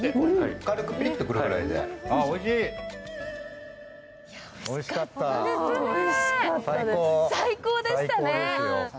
軽くピリッとくるぐらいで、おいしい。